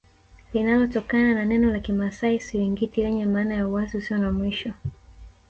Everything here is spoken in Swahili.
Linalotokana na neno la kimasai Siringiti lenye maana ya uwazi usio na mwisho